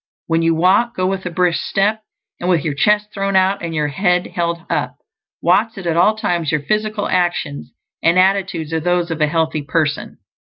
When you walk, go with a brisk step, and with your chest thrown out and your head held up; watch that at all times your physical actions and attitudes are those of a healthy person.